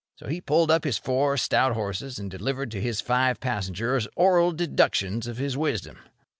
So he pulled up his four stout horses, and delivered to his five passengers oral deductions of his wisdom.